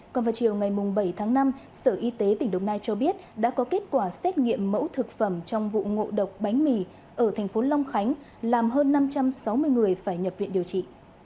còn vào chiều ngày bảy tháng năm sở y tế tỉnh đồng nai cho biết đã có kết quả xét nghiệm mẫu thực phẩm trong vụ ngộ độc bánh mì ở thành phố long khánh làm hơn năm trăm sáu mươi người phải nhập viện điều trị